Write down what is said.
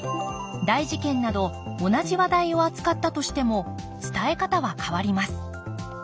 大事件など同じ話題を扱ったとしても伝え方は変わります